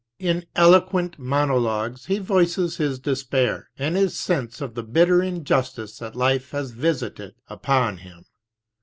In eloquent monologues he voices his despair, and his sense of the bitter injustice that life has visited upon him.